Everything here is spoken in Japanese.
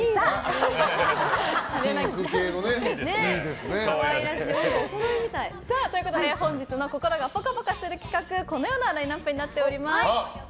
ピンク系のいいですね。ということで、本日の心がぽかぽかする企画このようなラインアップになっています。